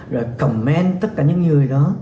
rồi comment tất cả những người đó